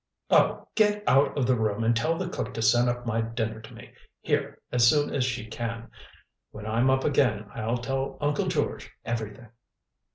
"Oh, get out of the room and tell the cook to send up my dinner to me here as soon as she can. When I'm up again, I'll tell Uncle George everything."